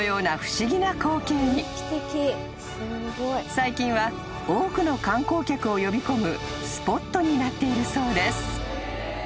［最近は多くの観光客を呼び込むスポットになっているそうです］